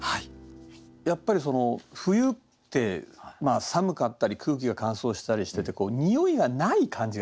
やっぱり冬って寒かったり空気が乾燥したりしててにおいがない感じがするじゃないですか。